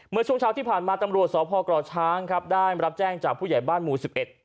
เมื่อช่วงเช้าที่ผ่านมาตำรวจสอบพ่อกล่อช้างได้รับแจ้งจากผู้ใหญ่บ้านหมู่๑๑